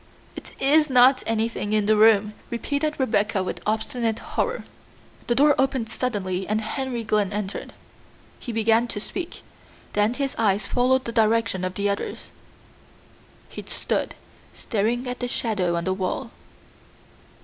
"It is not anything in the room," repeated Rebecca with obstinate horror. The door opened suddenly and Henry Glynn entered. He began to speak, then his eyes followed the direction of the others. He stood staring at the shadow on the wall.